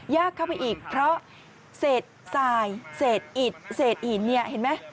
ยากเข้าไปอีกเพราะเสดสายเสดอิดเสดหินเห็นไหม